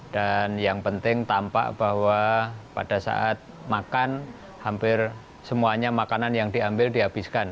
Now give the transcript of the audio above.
dan yang penting tampak bahwa pada saat makan hampir semuanya makanan yang diambil dihabiskan